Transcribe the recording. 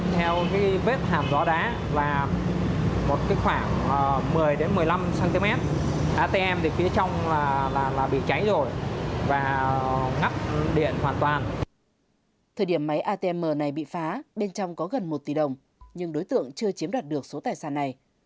thời điểm máy atm này bị phá bên trong có gần một tỷ đồng nhưng đối tượng chưa chiếm đoạt được số tài sản này